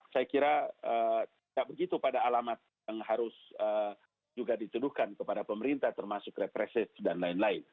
saya kira tidak begitu pada alamat yang harus juga dituduhkan kepada pemerintah termasuk represif dan lain lain